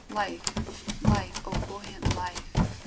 Life, life, O buoyant life!